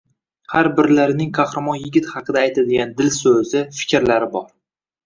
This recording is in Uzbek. Har birlarining qahramon yigit haqida aytadigan dil so`zi, fikrlari bor